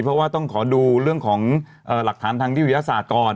เพราะว่าต้องขอดูเรื่องของหลักฐานทางที่วิทยาศาสตร์ก่อน